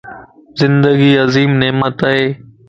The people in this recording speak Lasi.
زندگي عظيم نعمت ائي